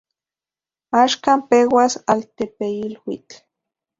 Axkan peuas altepeiluitl.